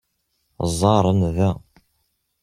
Ẓẓaren Dan.